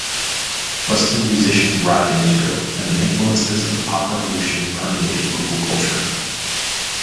Western musicians arrived in Israel, and influences of the pop revolution permeated local culture.